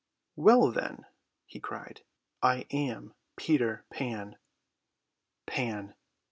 "Well, then," he cried, "I am Peter Pan." Pan!